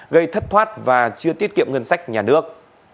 gây thất thoát và chưa tiết kiệm ngân sách nhà nước